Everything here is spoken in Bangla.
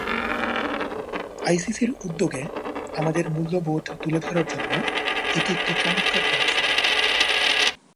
আইসিসির উদ্যোগে আমাদের মূল্যবোধ তুলে ধরার জন্য এটি একটি চমৎকার প্ল্যাটফর্ম।